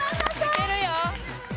いけるよ。